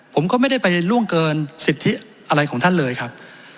ผมก็ไม่ได้ไปล่วงเกินสิทธิอะไรของท่านเลยครับ